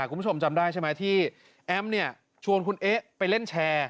คุณผู้ชมจำได้ใช่ไหมที่แอมเนี่ยชวนคุณเอ๊ะไปเล่นแชร์